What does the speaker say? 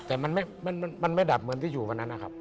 แต่มันไม่ดับเหมือนที่อยู่วันนั้นนะครับ